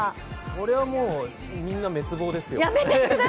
それはもう、みんな滅亡ですよ。